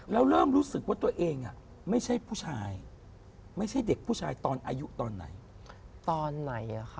แล้วเริ่มรู้สึกว่าตัวเองไม่ใช่ผู้ชายไม่ใช่เด็กผู้ชายตอนอายุตอนไหนตอนไหน